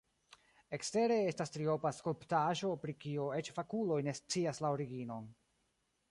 Ekstere estas triopa skulptaĵo, pri kio eĉ fakuloj ne scias la originon.